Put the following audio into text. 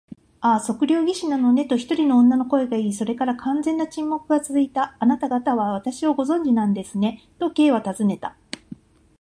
「ああ、測量技師なのね」と、一人の女の声がいい、それから完全な沈黙がつづいた。「あなたがたは私をご存じなんですね？」と、Ｋ はたずねた。